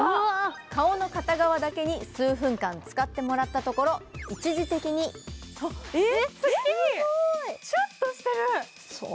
顔の片側だけに数分間使ってもらったところ、すごい、シュッとしてる。